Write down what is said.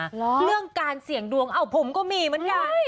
เรื่องการเสี่ยงดวงเอ้าผมก็มีเหมือนกัน